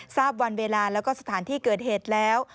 ทราบวันเวลาแล้วก็สถานที่เกิดเหตุแล้ว